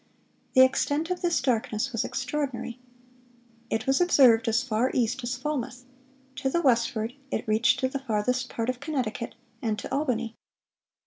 "The extent of this darkness was extraordinary. It was observed as far east as Falmouth. To the westward it reached to the farthest part of Connecticut, and to Albany.